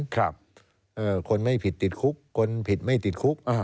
คนไม่ผิดติดคุกคนผิดไม่ติดคุก